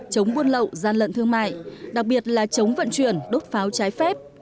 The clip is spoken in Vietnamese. chống buôn lậu gian lận thương mại đặc biệt là chống vận chuyển đốt pháo trái phép